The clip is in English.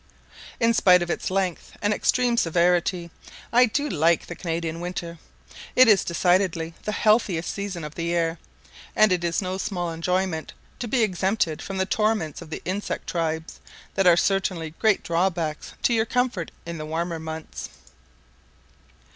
In spite of its length and extreme severity, I do like the Canadian winter: it is decidedly the healthiest season of the year; and it is no small enjoyment to be exempted from the torments of the insect tribes, that are certainly great drawbacks to your comfort in the warmer months.